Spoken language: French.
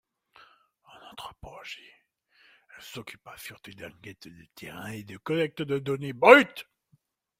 En anthropologie, elle s'occupa surtout d'enquêtes de terrain et de collecte de données brutes.